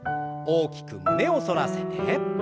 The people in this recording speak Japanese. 大きく胸を反らせて。